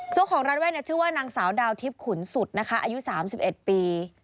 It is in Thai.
เจ้าของร้านแว่นชื่อว่านางสาวดาวทิพย์ขุนสุดนะคะอายุ๓๑ปี